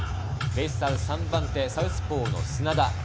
ベイスターズ、３番手サウスポーの砂田。